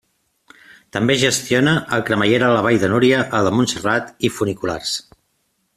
També gestiona el cremallera de la Vall de Núria, el de Montserrat, i funiculars.